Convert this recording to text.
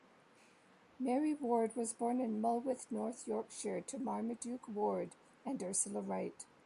Mary Ward was born in Mulwith, North Yorkshire, to Marmaduke Ward and Ursula Wright.